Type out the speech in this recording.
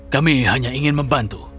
kami hanya ingin membantu